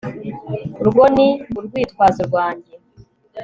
irwo ni urwitwazo rwanjye